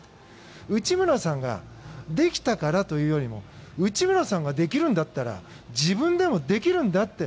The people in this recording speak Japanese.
内村さんができたからというよりも内村さんができるんだったら自分でもできるんだって。